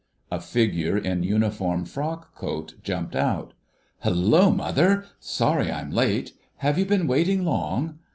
A figure in uniform frock coat jumped out. "Hullo, mother! Sorry I'm late: have you been waiting long?